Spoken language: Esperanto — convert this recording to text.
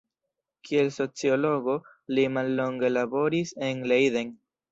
Kiel sociologo li mallonge laboris en Leiden.